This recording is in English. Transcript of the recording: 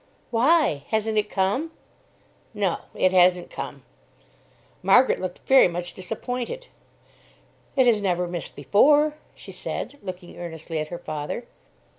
"Why? Hasn't it come?" "No; is hasn't come." Margaret looked very much disappointed. "It has never missed before," she said, looking earnestly at her father.